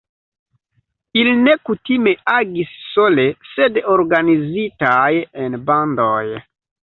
Ili ne kutime agis sole, sed organizitaj en bandoj.